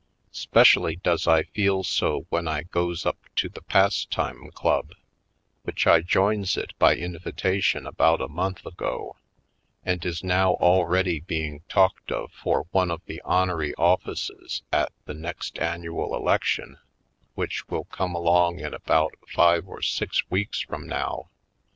'Specially does I feel so when I goes up to the Pastime Club; which I joins it by invitation about a month ago and is now already being talked of for one of the honory offices at the next annual election which will come along in about five or six weeks from now.